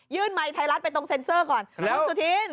ไมค์ไทยรัฐไปตรงเซ็นเซอร์ก่อนคุณสุธิน